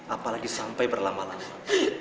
apalagi sampai berlama lama